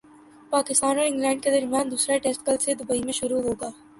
پاکستان اور انگلینڈ کے درمیان دوسرا ٹیسٹ کل سے دبئی میں شروع ہوگا